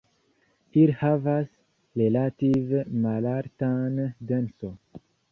Ili havas relative malaltan denso.